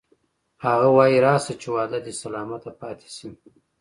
هغه وایی راشه چې وعده دې سلامته پاتې شي